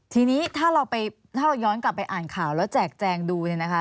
ทีนี้ถ้าเราย้อนกลับไปอ่านข่าวแล้วแจกแจงดู